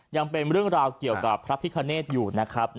ยังเป็นเรื่องราวเกี่ยวกับพระพิคเนธอยู่นะครับ